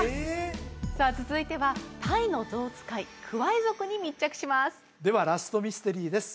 さあ続いてはタイのゾウ使いクアイ族に密着しますではラストミステリーです